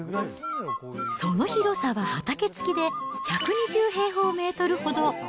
その広さは畑付きで１２０平方メートルほど。